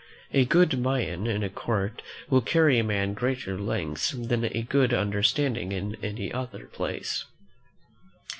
A good mien in a court will carry a man greater lengths than a good understanding in any other place.